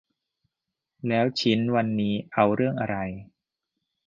แล้วชิ้นวันนี้เอาเรื่องอะไร